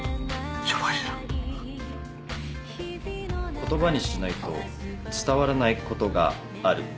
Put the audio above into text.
言葉にしないと伝わらないことがある。